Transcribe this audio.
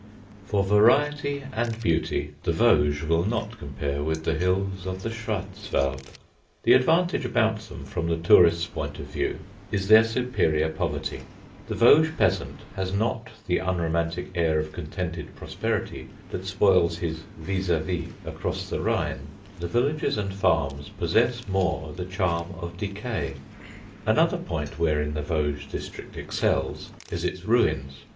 For variety and beauty, the Vosges will not compare with the hills of the Schwarzwald. The advantage about them from the tourist's point of view is their superior poverty. The Vosges peasant has not the unromantic air of contented prosperity that spoils his vis a vis across the Rhine. The villages and farms possess more the charm of decay. Another point wherein the Vosges district excels is its ruins.